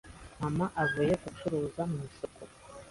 mama avuye gucuruza mu isoko